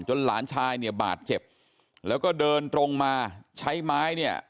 หลานชายเนี่ยบาดเจ็บแล้วก็เดินตรงมาใช้ไม้เนี่ย